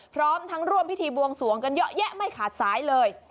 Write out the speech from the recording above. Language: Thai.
พร้อมทั้งร่วมพิธีบวงสวงกันเยอะแยะไม่ขาดสายเลย